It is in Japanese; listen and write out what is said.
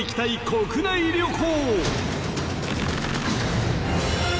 国内旅行！